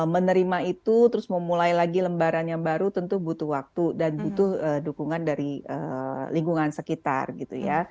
menerima itu terus memulai lagi lembaran yang baru tentu butuh waktu dan butuh dukungan dari lingkungan sekitar gitu ya